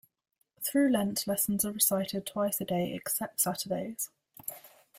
Through Lent lessons are recited twice a day except Saturdays.